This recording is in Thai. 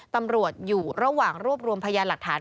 ตำรวจอยู่ระหว่างรวบรวมพยานหลักฐาน